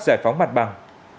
giải phóng mặt bằng